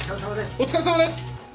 お疲れさまです！